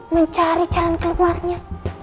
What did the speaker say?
mencari jalan keluarnya